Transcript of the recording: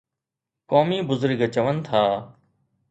قومي بزرگ چون ٿا